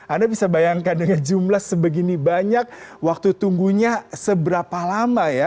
anda bisa bayangkan dengan jumlah sebegini banyak waktu tunggunya seberapa lama ya